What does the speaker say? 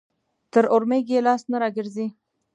تر اورمېږ يې لاس نه راګرځي.